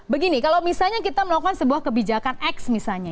begini kalau misalnya kita melakukan sebuah kebijakan x misalnya